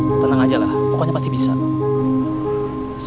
tapi kebetulan mama aja bilang biar banyaknya pulang wishes